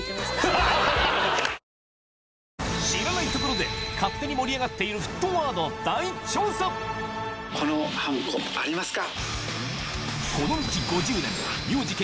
知らないところで勝手に盛り上がっているこのはんこありますか？